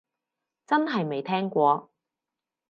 真係未聽過